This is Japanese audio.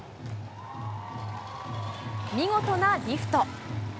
見事なリフト。